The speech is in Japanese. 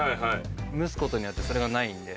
蒸すことによってそれがないんで。